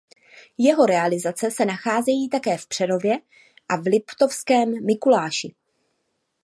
Jeho realizace se nacházejí také v Přerově a Liptovském Mikuláši.